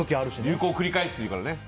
流行繰り返すっていうからね。